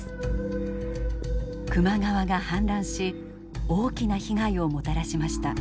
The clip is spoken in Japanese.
球磨川が氾濫し大きな被害をもたらしました。